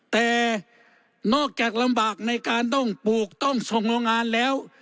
แต่นอกจากลำบากในการต้องปลูกต้องส่งโรงงานแล้ว